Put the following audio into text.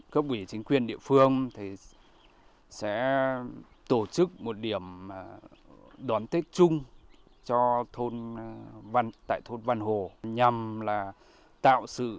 cấp ủy chính quyền địa phương sẽ tổ chức một điểm đón tết chung tại thôn văn hồ